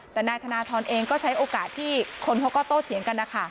แต่นายธนทรเองก็ใช้โอกาสที่คนเขาก็โตเถียงกันนะคะ